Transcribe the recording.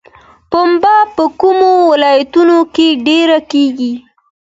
پنبه په کومو ولایتونو کې ډیره کیږي؟